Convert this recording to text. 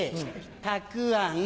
たくあん。